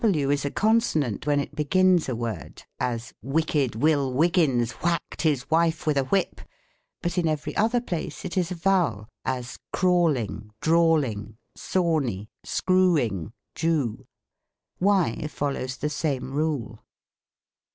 W is a consonant when it begins a word, as " Wick ed Will Wiggins whacked his wife with a whip ;" but in every other place it is a vowel, as crawling, drawl ing, sawney, screwing, Jew. Y follows the same rule.